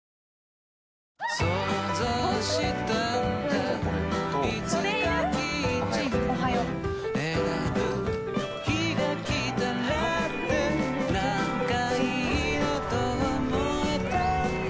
なんかいいなと思えたんだ